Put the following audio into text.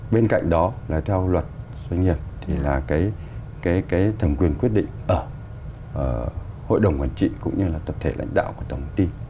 bên cạnh đó là theo luật xuất nhiệt thì là cái thầm quyền quyết định ở hội đồng quản trị cũng như là tập thể lãnh đạo của tổng ty